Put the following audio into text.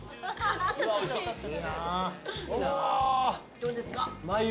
どうですか？